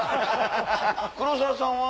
黒沢さんは？